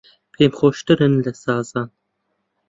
پێم خۆشترن لە سازان